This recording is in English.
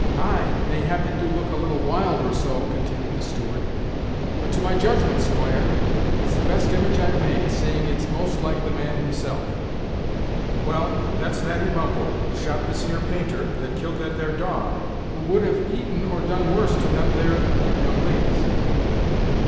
"Ay, mayhap it do look a little wild or so," continued the steward; "but to my judgment, squire, it's the best image I've made, seeing it's most like the man himself; well, that's Natty Bumppo, who shot this here painter, that killed that there dog, who would have eaten or done worse to them here young ladies."